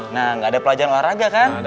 nah nggak ada pelajaran olahraga kan